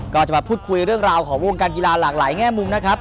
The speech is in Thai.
ก็จะมาพูดคุยเรื่องราวของวงการกีฬาหลากหลายแง่มุมนะครับ